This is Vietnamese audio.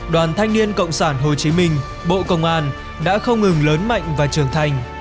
đoàn thanh niên cộng sản hồ chí minh bộ công an đã không ngừng lớn mạnh và trưởng thành